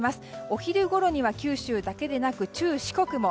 お昼ごろには九州だけでなく中四国も。